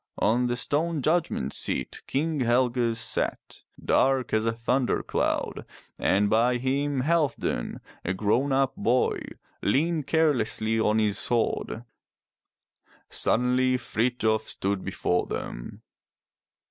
On the stone judgment seat King Helge sat, dark as a thunder cloud, and by him Halfdan, a grown up boy, leaned carelessly on his sword. Suddenly Frithjof stood before them.